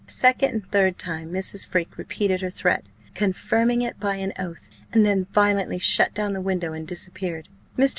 A second and a third time Mrs. Freke repeated her threat, confirming it by an oath, and then violently shut down the window and disappeared. Mr.